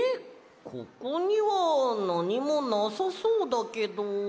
ここにはなにもなさそうだけど。